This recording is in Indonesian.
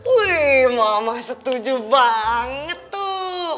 wih mama setuju banget tuh